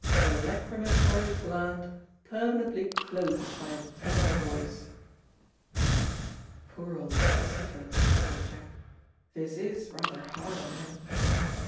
The lachrymatory gland permanently closed by a tenor voice." "Poor old Chesterford," thought Jack, "this is rather hard on him."